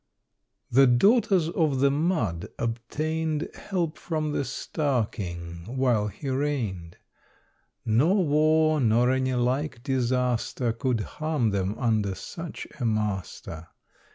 The daughters of the mud obtained Help from the star king, while he reigned. Nor war, nor any like disaster, Could harm them under such a master.